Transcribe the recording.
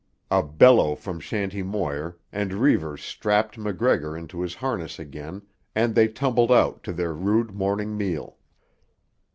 A bellow from Shanty Moir, and Reivers strapped MacGregor into his harness again and they tumbled out to their rude morning meal.